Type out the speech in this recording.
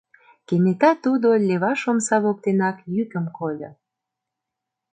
Кенета тудо леваш омса воктенак йӱкым кольо.